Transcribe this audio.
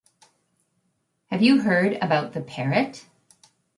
Have you heard about the parrot?